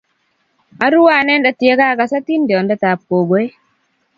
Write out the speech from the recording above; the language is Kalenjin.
arue anete ya kaakas atindiondetab gogoe